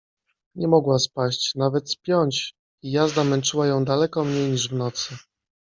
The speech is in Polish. Nie mogła spaść, nawet spiąć, i jazda męczyła ją daleko mniej niż w nocy.